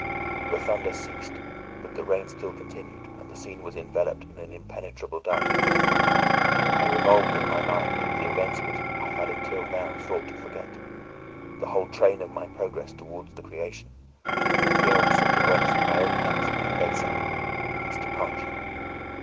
The thunder ceased; but the rain still continued, and the scene was enveloped in an impenetrable darkness. I revolved in my mind the events which I had until now sought to forget: the whole train of my progress toward the creation; the appearance of the works of my own hands at my bedside; its departure.